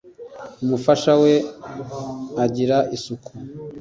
umufasha we ajyira isuku.